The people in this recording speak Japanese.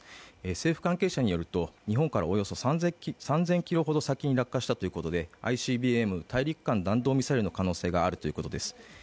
政府関係者によると日本からおよそ３０００ｋｍ先に落下したということでＩＣＢＭ＝大陸間弾道ミサイルの可能性があるということです。